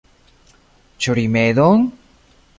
Ĉu rimedon?